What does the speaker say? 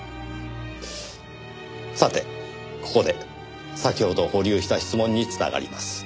さてここで先ほど保留した質問に繋がります。